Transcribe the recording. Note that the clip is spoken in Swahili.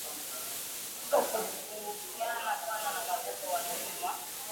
hivyo huhusiana sana na magugu Wanaume wa